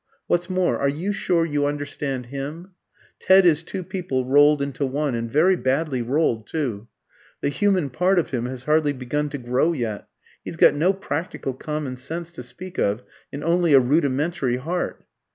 What's more, are you sure you understand him? Ted is two people rolled into one, and very badly rolled too. The human part of him has hardly begun to grow yet; he's got no practical common sense to speak of, and only a rudimentary heart."